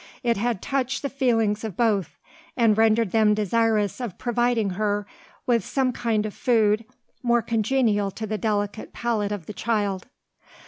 It had touched the feelings of both; and rendered them desirous of providing her with some kind of food more congenial to the delicate palate of the child.